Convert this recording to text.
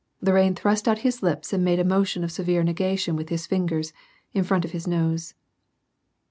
Lorrain thrust out his lips and made a motion of severe negation with his fingers, in front of his nose.